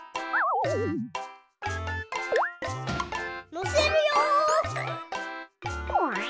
のせるよ！